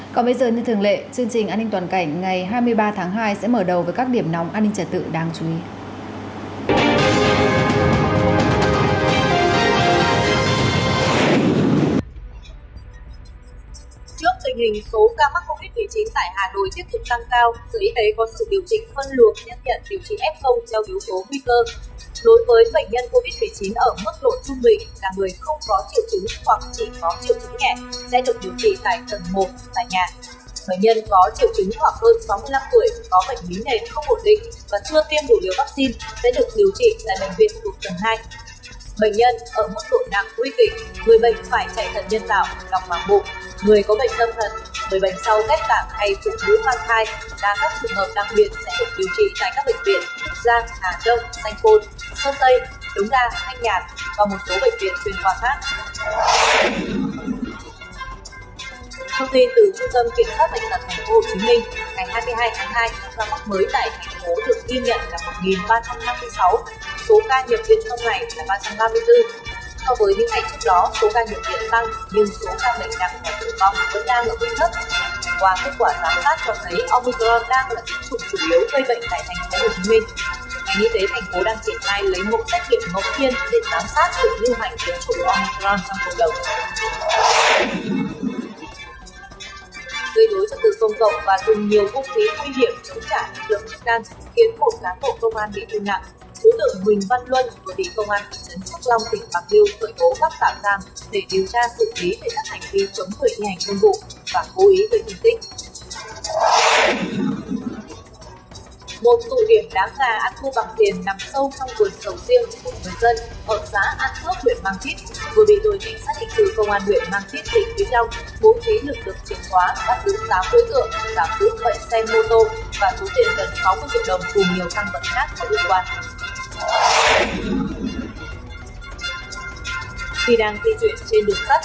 còn bây giờ như thường lệ chương trình an ninh toàn cảnh ngày hai mươi ba tháng hai sẽ mở đầu với các điểm nóng an ninh trẻ tự đáng chú ý